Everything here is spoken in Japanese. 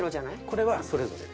これはそれぞれです。